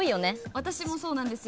私もそうなんですよ。